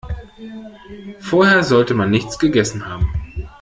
Vorher sollte man nichts gegessen haben.